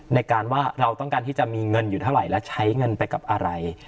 ในการว่าเราต้องการที่จะมีเงินอยู่เท่าไหร่และใช้เงินไปกับอะไร